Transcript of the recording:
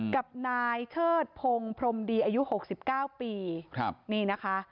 กับนายเชิดพงศ์พรมดีอายุหกสิบเก้าปีครับนี่นะคะ